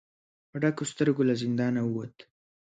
په ډکو سترګو له زندانه ووت.